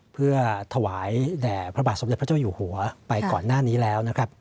เพื่อถวายแด่พระบาทสมเด็จพระเจ้าอยู่หัวไปก่อนหน้านี้แล้วนะครับ